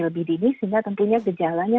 lebih dini sehingga tentunya gejalanya